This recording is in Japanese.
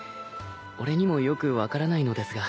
俺にもよく分からないのですが。